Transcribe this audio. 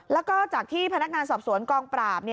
แล้วก็จากที่พนักงานสอบสวนกองปราบ